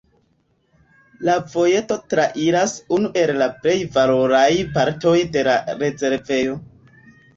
La vojeto trairas unu el la plej valoraj partoj de la rezervejo.